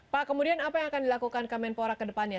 pak kemudian apa yang akan dilakukan kemenpora ke depannya